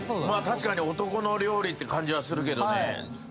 確かに男の料理って感じはするけどね